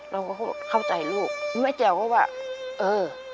เราก็เข้าใจเราไม่แจ๋วว่าเออ